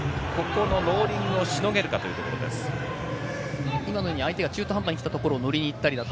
ローリングを防げるかというところです。